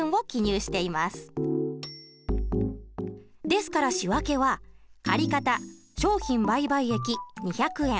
ですから仕訳は借方商品売買益２００円。